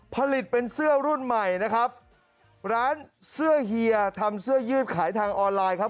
ผลิตเป็นเสื้อรุ่นใหม่นะครับร้านเสื้อเฮียทำเสื้อยืดขายทางออนไลน์ครับ